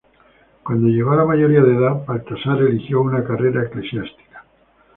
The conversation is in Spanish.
Cuando llegó a la mayoría de edad, Baltasar eligió una carrera eclesiástica.